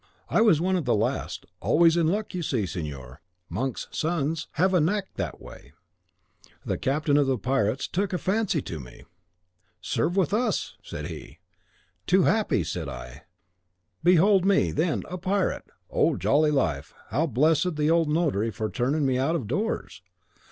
I was one of the last: always in luck, you see, signor, monks' sons have a knack that way! The captain of the pirates took a fancy to me. 'Serve with us?' said he. 'Too happy,' said I. Behold me, then, a pirate! O jolly life! how I blessed the old notary for turning me out of doors!